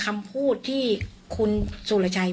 ทรัพย์สินที่เป็นของฝ่ายหญิง